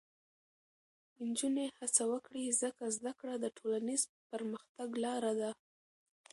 نجونې هڅه وکړي، ځکه زده کړه د ټولنیز پرمختګ لاره ده.